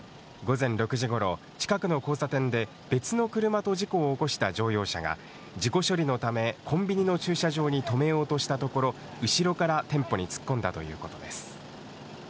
午前６時ごろ、近くの交差点で別の車と事故を起こした乗用車が、事故処理のためコンビニの駐車場に止めようとしたところ、後ろから店舗に突っ込んだということです。